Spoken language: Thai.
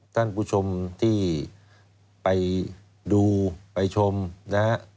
ท่านผู้ชมที่ไปดูไปชมนะฮะ